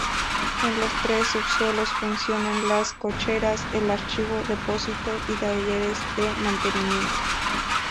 En los tres subsuelos funcionan las cocheras, el archivo, depósitos y talleres de mantenimiento.